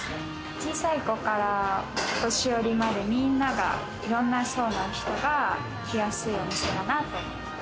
小さい子からお年寄りまで、みんなが、いろんな層の人が来やすいお店かなと思います。